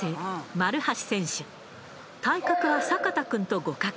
体格は坂田君と互角。